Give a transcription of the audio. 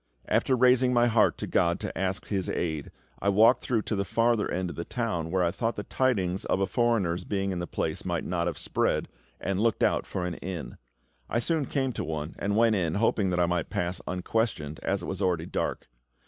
After raising my heart to GOD to ask His aid, I walked through to the farther end of the town, where I thought the tidings of a foreigner's being in the place might not have spread, and looked out for an inn. I soon came to one, and went in, hoping that I might pass unquestioned, as it was already dark.